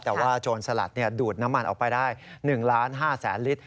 แต่ว่าโจรสลัดดูดน้ำมันออกไปได้๑๕๐๐๐ลิตร